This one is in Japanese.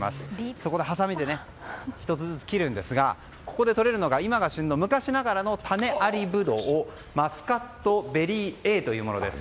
そこで、はさみで１つずつ切るんですがここでとれるのが今が旬の昔ながらの種ありブドウマスカット・ベリーＡというものです。